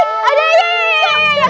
kita kejar kita kejar